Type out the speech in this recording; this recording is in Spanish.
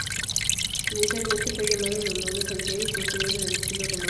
Inicialmente fue llamada en honor de Santiago y construida en el estilo románico.